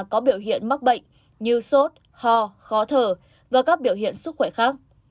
có biểu hiện mắc bệnh như sốt ho khó thở và các biểu hiện sức khỏe khác